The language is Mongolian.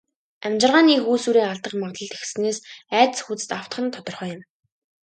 Амьжиргааны эх үүсвэрээ алдах магадлал ихэссэнээс айдас хүйдэст автах нь тодорхой юм.